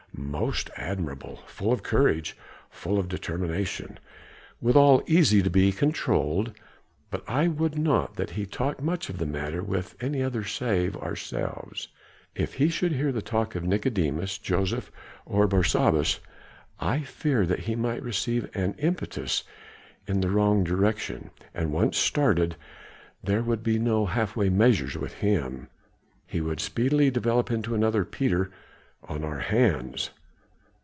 "Most admirable! Full of courage, full of determination, withal easy to be controlled; but I would not that he talk much of the matter with any other save ourselves. If he should hear the talk of Nicodemus, Joseph, or Barsabas, I fear me that he might receive an impetus in the wrong direction; and once started, there would be no halfway measures with him. He would speedily develop into another Peter on our hands."